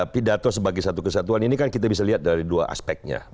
pidato sebagai satu kesatuan ini kan kita bisa lihat dari dua aspeknya